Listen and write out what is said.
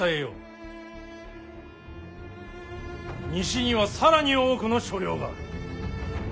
西には更に多くの所領がある。